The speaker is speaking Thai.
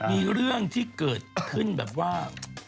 มีเรื่องที่เกิดขึ้นแบบว่า